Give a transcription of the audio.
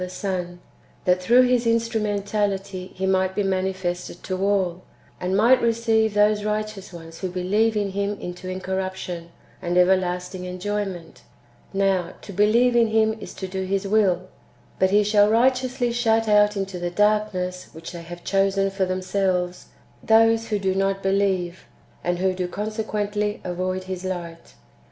And for this purpose did the Father reveal the Son, that through His instrumentality He might be manifested to all, and might receive those righteous ones who believe in Him into incorruption and everlasting enjoyment (now, to believe in Him is to do His w^ill) ; but He shall righteously shut out into the darkness which they have chosen for them selves, those who do not believe, and who do consequently avoid His lio; ht.